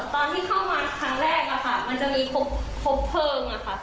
ตอนที่เข้ามาครั้งแรกมันจะมีครบเพลิงอะค่ะ